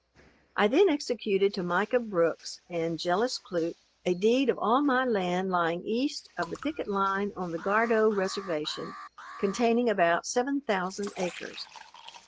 I then executed to Micah Brooks and Jellis Clute, a deed of all my land lying east of the picket line on the Gardow reservation, containing about 7000 acres.